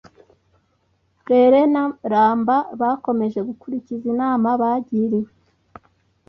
Rere na Ramba bakomeje gukurikiza inama bagiriwe